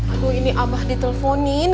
aduh ini abah diteleponin